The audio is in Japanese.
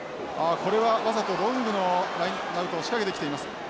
これはわざとロングのラインアウトを仕掛けてきています。